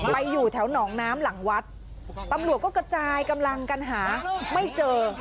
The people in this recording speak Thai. อยู่แถวหนองน้ำหลังวัดตำรวจก็กระจายกำลังกันหาไม่เจอ